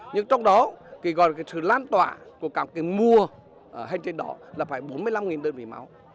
nhưng trong đó thì gọi là sự lan tỏa của cả một cái mùa hành trình đỏ là phải bốn mươi năm đơn vị máu